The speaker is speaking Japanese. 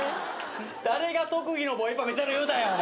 誰が特技のボイパ見せろ言うたんや。